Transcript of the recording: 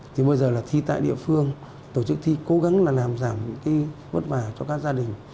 thì bây giờ là thi tại địa phương tổ chức thi cố gắng là làm giảm những cái vất vả cho các gia đình